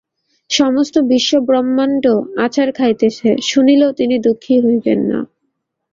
সমস্ত বিশ্বব্রহ্মাণ্ড আছাড় খাইতেছে শুনিলেও তিনি দুঃখী হইবেন না।